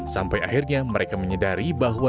sampai akhirnya mereka menyadari bahwa